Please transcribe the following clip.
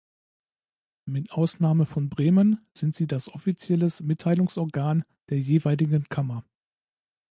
Mit Ausnahme von Bremen sind sie das offizielles Mitteilungsorgan der jeweiligen Kammer.